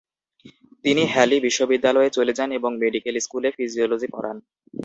তিনি হ্যালি বিশ্ববিদ্যালয়ে চলে যান এবং মেডিকেল স্কুলে ফিজিওলজি পড়ান।